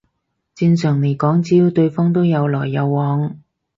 正常嚟講只要對方都有來有往